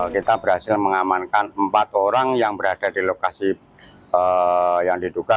kita berhasil mengamankan empat orang yang berada di lokasi yang diduga